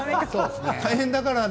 大変だからね。